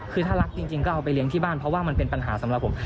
คือถ้ารักจริงก็เอาไปเลี้ยงที่บ้านเพราะว่ามันเป็นปัญหาสำหรับผม